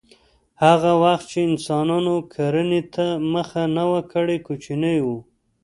هغه وخت چې انسانانو کرنې ته مخه نه وه کړې کوچني وو